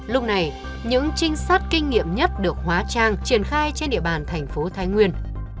lúc này những trinh sát kinh nghiệm nhất được hóa trang triển khai trên địa bàn thành phố thái nguyên